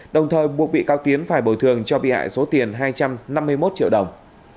đồng thời buộc bị cáo tiến phải bồi thường cho bị hại số tiền hai trăm năm mươi một triệu đồng